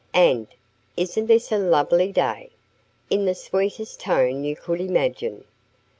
and "Isn't this a lovely day?" in the sweetest tone you could imagine.